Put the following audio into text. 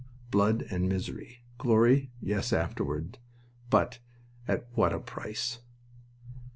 Blood and misery. Glory, yes afterward! But at what a price!"